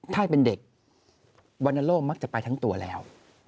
ถ้าเป็นเด็กวรรณโลกมักจะไปทั้งตัวแล้ว